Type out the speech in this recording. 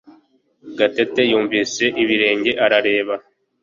Gatete yumvise ibirenge arareba.